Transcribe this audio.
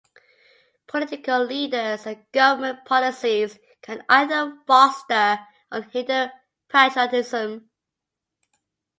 Political leaders and government policies can either foster or hinder patriotism.